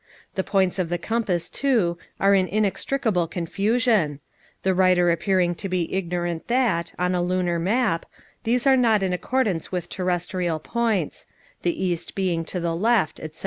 The points of the compass, too, are in inextricable confusion; the writer appearing to be ignorant that, on a lunar map, these are not in accordance with terrestrial points; the east being to the left, etc.